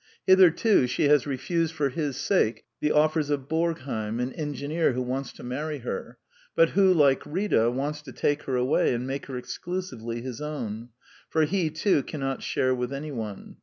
Hitherto, she has refused, for his sake, the offers of Borgheim, an engineer, who wants to marry her, but who, like Rita, wants to take her away and make her exclusively his own; for he, too, cannot share with anyone.